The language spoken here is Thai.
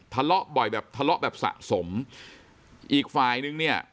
ทะเลาะบ่อยแบบทะเลาะแบบสะสมอีกฝ่ายนึงเนี่ย